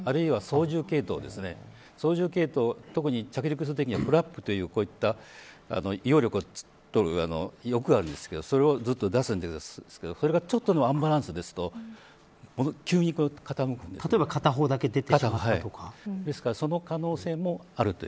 操縦系統特に着陸するときにはフラップという翼があるんですけどそれを出すんですけどそれがちょっとアンバランスですと例えば片方だけですからその可能性もあるという。